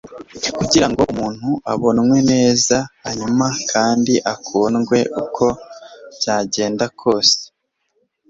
Kugirango umuntu abonwe neza, hanyuma, kandi akundwe uko byagenda kose